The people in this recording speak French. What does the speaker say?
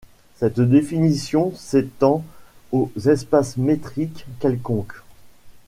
Cette définition s'étend aux espaces métriques quelconques.